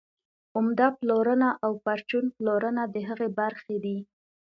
عمده پلورنه او پرچون پلورنه د هغې برخې دي